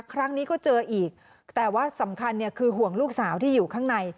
ครั้งนี้ก็เจออีกแต่ว่าสำคัญคือห่วงลูกสาวที่อยู่ข้างใน